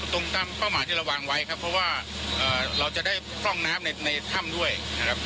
ตรงตามเป้าหมายที่เราวางไว้ครับเพราะว่าเราจะได้พร่องน้ำในถ้ำด้วยนะครับ